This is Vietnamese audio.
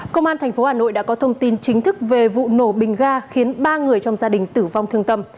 công an tp hà nội đã có thông tin chính thức về vụ nổ bình ga khiến ba người trong gia đình tử vong thương tâm